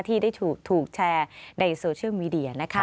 ที่ได้ถูกแชร์ในโซเชียลมีเดียนะคะ